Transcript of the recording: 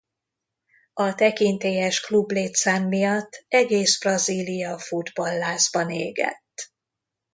A tekintélyes klub létszám miatt egész Brazília futball-lázban égett.